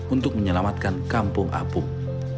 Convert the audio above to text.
untuk menyelamatkan kampung apung